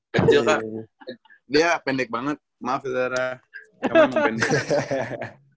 kecil kan dia pendek banget maaf zara kamu emang pendek